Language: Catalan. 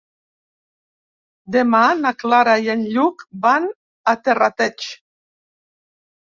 Demà na Clara i en Lluc van a Terrateig.